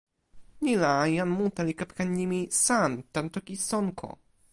ni la, jan mute li kepeken nimi “san” tan toki Sonko.